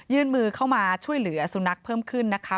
มือเข้ามาช่วยเหลือสุนัขเพิ่มขึ้นนะคะ